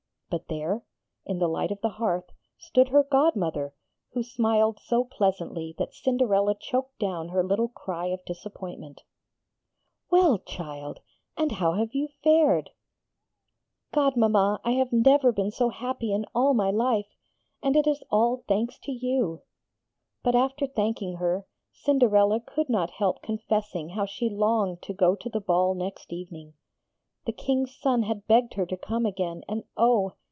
But there, in the light of the hearth, stood her godmother, who smiled so pleasantly that Cinderella choked down her little cry of disappointment. [Illustration: Whereupon she instantly desired her partner to lead her to the KING and QUEEN.] 'Well, child? And how have you fared?' 'Godmama, I have never been so happy in all my life! And it is all thanks to you!' But after thanking her, Cinderella could not help confessing how she longed to go to the ball next evening. The King's son had begged her to come again, and oh!